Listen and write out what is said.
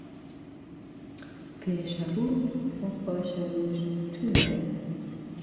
Pêşeroj û paşeroj tune ye.